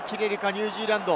ニュージーランド。